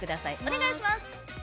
お願いします！